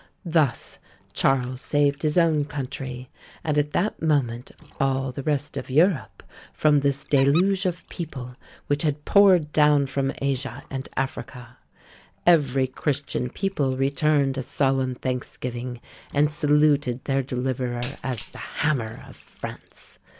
Thus Charles saved his own country, and, at that moment, all the rest of Europe, from this deluge of people, which had poured down from Asia and Africa. Every Christian people returned a solemn thanksgiving, and saluted their deliverer as "the Hammer" of France.